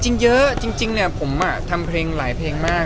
จริงเยอะจริงเนี่ยผมทำเพลงหลายเพลงมาก